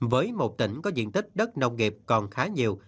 với một tỉnh có diện tích đất nông nghiệp còn khá nhiều